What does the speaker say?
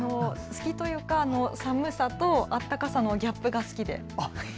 好きというか、寒さと温かさのギャップが好きです。